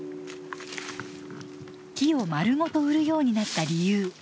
木をまるごと売るようになった理由